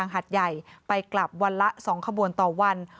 หัดใหญ่ไปกลับวันละ๒ขบวนต่อวัน